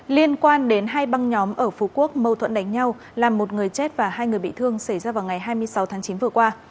liên quan đến hai băng nhóm ở phú quốc mâu thuẫn đánh nhau làm một người chết và hai người bị thương xảy ra vào ngày hai mươi sáu tháng chín vừa qua